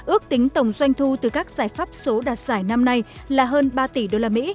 ước tính tổng doanh thu từ các giải pháp số đạt giải năm nay là hơn ba tỷ usd